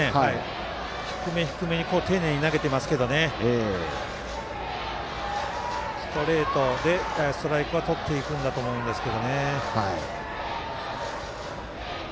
低め低めに丁寧に投げてますけどストレートでストライクはとっていくんだと思うんですけど。